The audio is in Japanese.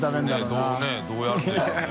佑どうやるんでしょうね？